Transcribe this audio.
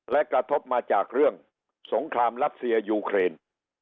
และกระทบมาจากเรื่องสงครามรัสเซียยูเครน